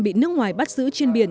bị nước ngoài bắt giữ trên biển